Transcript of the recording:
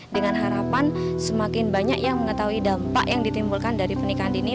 dengan harapan semakin banyak yang mengetahui dampak yang ditimbulkan dari pernikahan dini